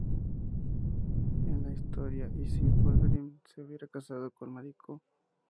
En la historia "¿Y si Wolverine se hubiera casado con Mariko?